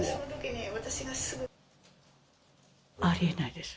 ありえないです。